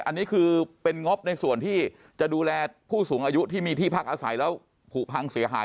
อันนี้คือเป็นงบในส่วนที่จะดูแลผู้สูงอายุที่มีที่พักอาศัยแล้วผูกพังเสียหาย